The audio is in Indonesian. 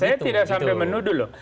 saya tidak sampai menuduh loh